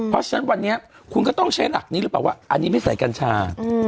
เพราะฉะนั้นวันนี้คุณก็ต้องใช้หลักนี้หรือเปล่าว่าอันนี้ไม่ใส่กัญชา